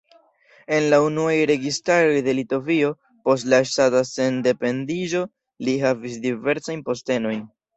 En la unuaj registaroj de Litovio post la ŝtata sendependiĝo li havis diversajn postenojn.